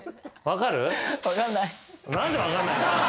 何で分かんないんだよ！